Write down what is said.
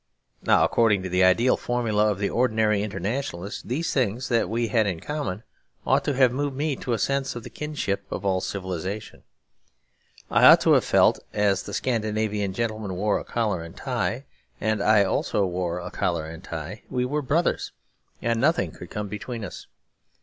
Now, according to the ideal formula of the ordinary internationalist, these things that we had in common ought to have moved me to a sense of the kinship of all civilisation. I ought to have felt that as the Scandinavian gentleman wore a collar and tie, and I also wore a collar and tie, we were brothers and nothing could come between us.